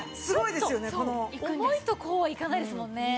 ちょっと重いとこうはいかないですもんね。